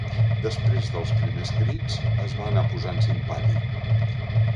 Després dels primers crits es va anar posant simpàtic.